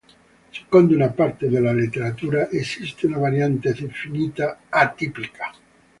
Secondo una parte della letteratura esiste una variante definita "atipica".